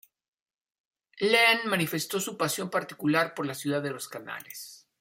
Lean manifestó su pasión particular por la ciudad de los canales.